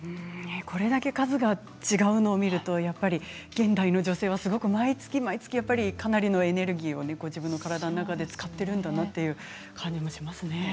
これだけ数が違うのを見ると現代の女性は毎月、毎月かなりのエネルギーを自分の体の中で使っているんだなという感じはしますね。